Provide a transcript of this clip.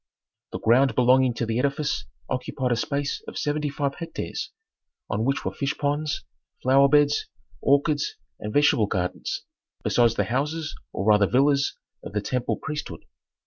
The ground belonging to the edifice occupied a space of seventy five hectares, on which were fish ponds, flower beds, orchards and vegetable gardens, besides the houses or rather villas of the temple priesthood.